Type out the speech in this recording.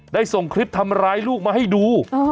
ส่งคลิปทำร้ายลูกมาให้ดู